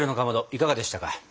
いかがでしたか？